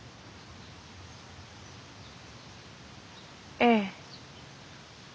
ええ。